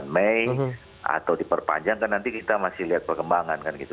dua puluh sembilan mei atau diperpanjangkan nanti kita masih lihat perkembangan kan gitu